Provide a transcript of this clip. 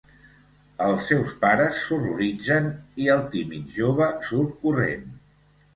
Els seus pares s'horroritzen i el tímid jove surt corrent.